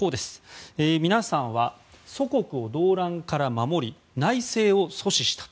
皆さんは祖国を動乱から守り内戦を阻止した。